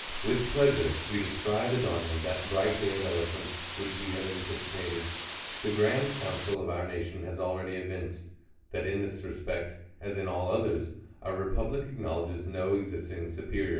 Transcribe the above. With pleasure we descry the dawning of that bright day of eloquence, which we have anticipated. The grand council of our nation has already evinced, that in this respect, as in all others, our republic ac knowledges no existing supeH<n'.